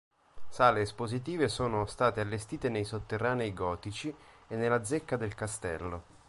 Sale espositive sono state allestite nei sotterranei gotici e nella zecca del castello.